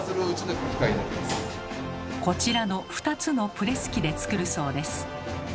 こちらの２つのプレス機で作るそうです。